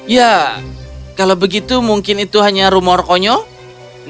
ya kalau begitu mungkin itu hanya rumor konyol